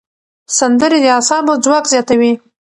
سندرې د اعصابو ځواک زیاتوي.